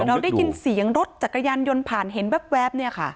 เราได้ยินเสียงรถจักรยานยนต์ผ่านเห็นแว๊บเนี่ยค่ะ